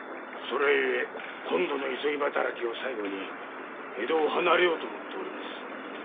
それゆえ今度の急ぎ働きを最後に江戸を離れようと思っております。